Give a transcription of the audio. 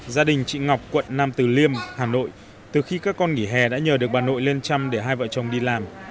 gia đình chị ngọc quận nam từ liêm hà nội từ khi các con nghỉ hè đã nhờ được bà nội lên chăm để hai vợ chồng đi làm